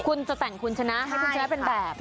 คุณจะแต่งคุณชนะให้คุณชนะเป็นแบบ